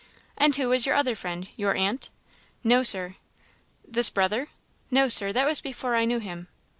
"And who was the other friend? your aunt?" "No, Sir." "This brother?" "No, Sir; that was before I knew him."